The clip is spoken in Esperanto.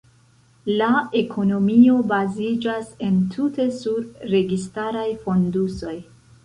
La ekonomio baziĝas entute sur registaraj fondusoj.